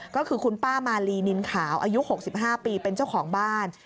ก็คือคุณป้ามาลีนินขาวอายุ๖๕ปีเป็นเจ้าของบ้าน